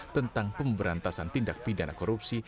tentang pemberantasan tindak pidana korupsi